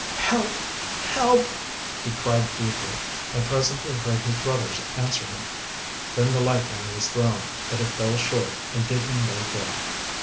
"Help! help!" he cried feebly, and presently heard his brothers answer him. Then the lifeline was thrown, but it fell short and did him no good.